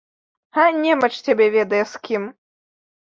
А немач цябе ведае, з кім!